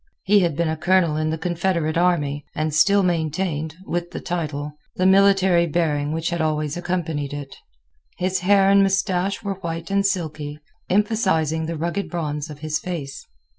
He had been a colonel in the Confederate army, and still maintained, with the title, the military bearing which had always accompanied it. His hair and mustache were white and silky, emphasizing the rugged bronze of his face.